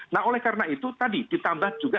nah oleh karena itu tadi ditambah juga